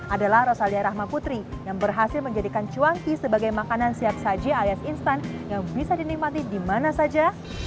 adalah rosalia rahmaputri yang berhasil menjadikan cuanki sebagai makanan siap saji alias instan yang bisa dinikmati di mana saja